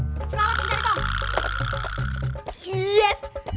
selamat enggak dong